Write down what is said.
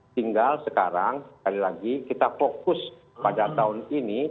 tinggal sekarang sekali lagi kita fokus pada tahun ini